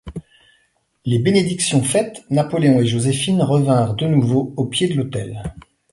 Les bénédictions faites, Napoléon et Joséphine revinrent de nouveau au pied de l'autel.